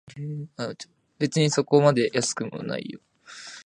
別にそこまで安くもないよ